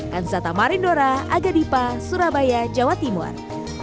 hansata marindora agadipa surabaya jawa timur